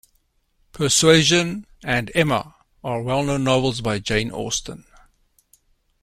Persuasion and Emma are well-known novels by Jane Austen